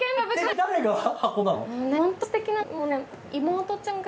誰が？